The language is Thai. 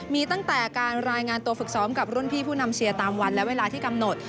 มีตั้งแต่การรายงานตัวฝึกซ้อมกับรุ่นพี่ผู้นำเชียร์ตามวันและเวลาที่กำหนด